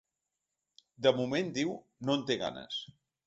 De moment, diu, no en té ganes.